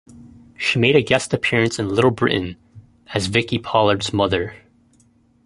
She made a guest appearance in "Little Britain" as Vicky Pollard's mother.